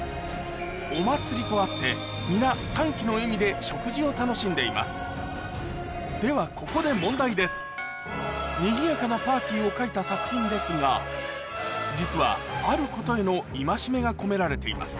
お祭りとあって皆歓喜の笑みで食事を楽しんでいますではここでにぎやかなパーティーを描いた作品ですが実はが込められています